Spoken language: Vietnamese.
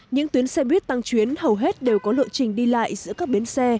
những tuyến xe buýt tăng chuyến hầu hết đều có lộ trình đi lại giữa các bến xe